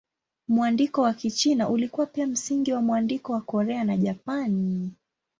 Mwandiko wa Kichina ulikuwa pia msingi wa mwandiko wa Korea na Japani.